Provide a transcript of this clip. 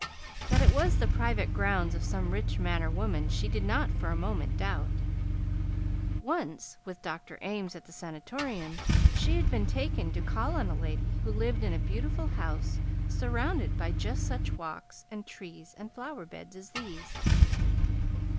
That it was the private grounds of some rich man or woman, she did not for a moment doubt. Once, with Dr. Ames at the Sanatorium, she had been taken to call on a lady who lived in a beautiful house surrounded by just such walks and trees and flower beds as these.